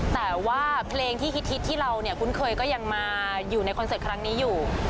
แต่ว่าเพลงที่ฮิตที่เราเนี่ยคุ้นเคยก็ยังมาอยู่ในคอนเสิร์ตครั้งนี้อยู่